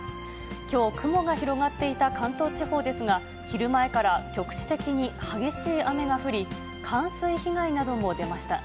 きょう、雲が広がっていた関東地方ですが、昼前から局地的に激しい雨が降り、冠水被害なども出ました。